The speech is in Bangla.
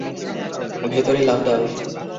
ভেতরে লাফ দাও।